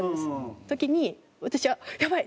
時に私はやばい！